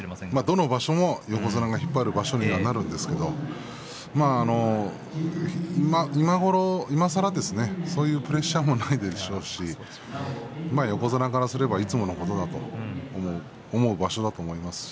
どの場所も横綱が引っ張っていくことにはなるんですけれどいまさらそういうプレッシャーもないでしょうし横綱からすればいつものことだと思う場所だと思います。